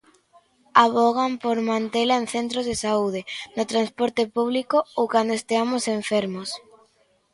Avogan por mantela en centros de saúde, no transporte público ou cando esteamos enfermos.